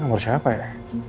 nomor siapa ya